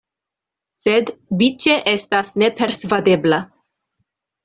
Sed Biĉe estas nepersvadebla.